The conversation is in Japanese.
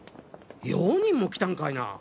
４人も来たんかいな？